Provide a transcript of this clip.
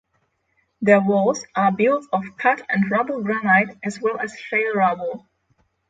The walls are built of cut and rubble granite as well as shale rubble.